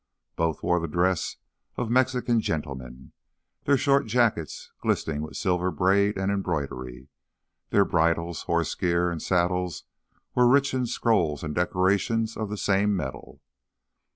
Both wore the dress of Mexican gentlemen, their short jackets glinting with silver braid and embroidery; their bridles, horse gear, and saddles were rich in scrolls and decorations of the same metal.